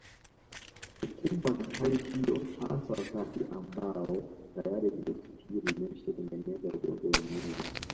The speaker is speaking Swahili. Hukumbwa na hali hiyo hasa wakati ambao tayari virusi hivyo vimeshatengeneza ugonjwa wenyewe